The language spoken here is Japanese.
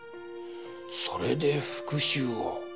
それで復讐を。